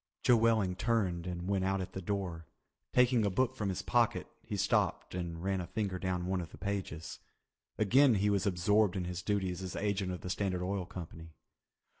Joe Welling turned and went out at the door. Taking a book from his pocket, he stopped and ran a finger down one of the pages. Again he was absorbed in his duties as agent of the Standard Oil Company.